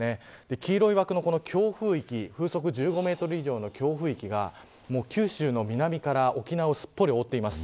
黄色い枠の強風域は風速１５メートル以上で九州の南から沖縄をすっぽりと覆っています。